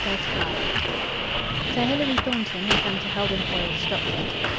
CHAPTER XXXV Sir Hilary Thornton had come to Heldon Foyle's stocktaking.